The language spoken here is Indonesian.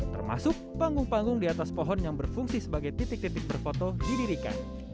termasuk panggung panggung di atas pohon yang berfungsi sebagai titik titik berfoto didirikan